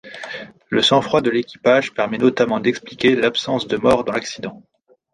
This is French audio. Le sang-froid de l'équipage permet notamment d'expliquer l'absence de mort dans l'accident.